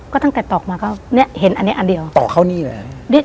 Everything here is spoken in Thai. ก็ตั้งแต่ตอกมาก็เนี่ยเห็นอันนี้อันเดียวต่อเข้านี่เลย